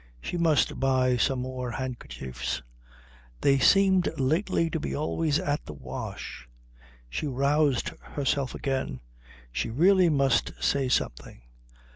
She must buy some more handkerchiefs. They seemed lately to be always at the wash. She roused herself again. She really must say something.